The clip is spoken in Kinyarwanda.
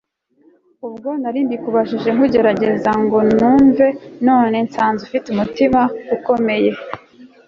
ubwo narimbikubajije nkugeregeza ngo numve none nsanze ufite umutima ukomeye